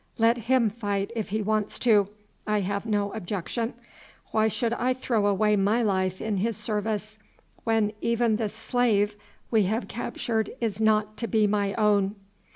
Let him fight if he wants to, I have no objection. Why should I throw away my life in his service when even the slave we have captured is not to be my own."